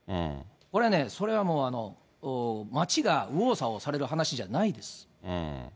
これはね、それはもう、町が右往左往される話じゃないです。